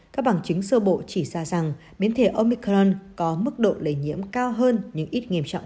các bằng chứng sơ bộ chỉ ra rằng biến thể omicron có mức độ lây nhiễm cao hơn nhưng ít nghiêm trọng